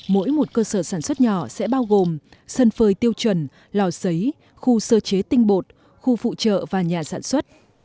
mỗi một cơ sở sản xuất nhỏ sẽ bao gồm sân phơi tiêu chuẩn lò xấy khu sơ chế tinh bột khu phụ trợ và nhà sản xuất